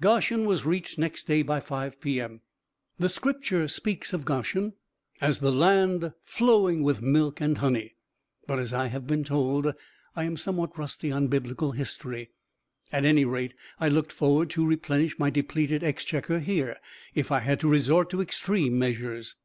Goshen was reached next day by 5 P. M. The Scripture speaks of Goshen as the land "flowing with milk and honey," but as I have been told, I am somewhat rusty on Biblical history. At any rate, I looked forward to replenish my depleted exchequer here, if I had to resort to extreme measures.